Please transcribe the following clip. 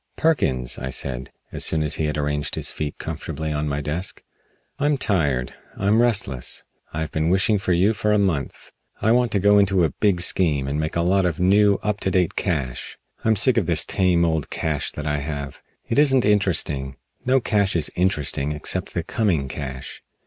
"Perkins," I said, as soon as he had arranged his feet comfortably on my desk, "I'm tired. I'm restless. I have been wishing for you for a month. I want to go into a big scheme and make a lot of new, up to date cash. I'm sick of this tame, old cash that I have. It isn't interesting. No cash is interesting except the coming cash."